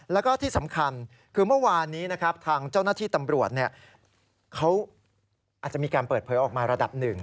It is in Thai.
แล้วก็ที่สำคัญคือเมื่อวานนี้นะครับทางเจ้าหน้าที่ตำรวจเขาอาจจะมีการเปิดเผยออกมาระดับหนึ่ง